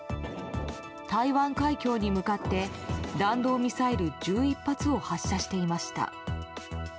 台湾海峡に向かって弾道ミサイル１１発を発射していました。